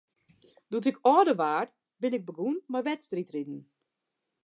Doe't ik âlder waard, bin ik begûn mei wedstriidriden.